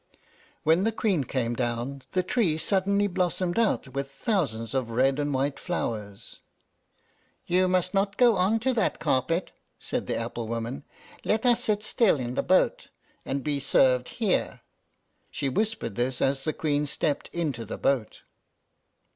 When the Queen came down, the tree suddenly blossomed out with thousands of red and white flowers. "You must not go on to that carpet," said the apple woman; "let us sit still in the boat, and be served here." She whispered this as the Queen stepped into the boat.